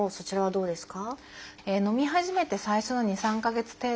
そうですか。